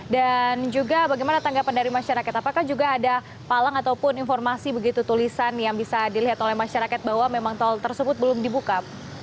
dan juga bagaimana tanggapan dari masyarakat apakah juga ada palang ataupun informasi begitu tulisan yang bisa dilihat oleh masyarakat bahwa memang tol tersebut belum dibuka